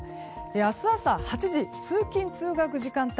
明日朝８時通勤・通学時間帯。